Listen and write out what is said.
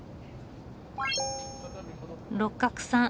六角さん